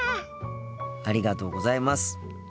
ありがとうございます。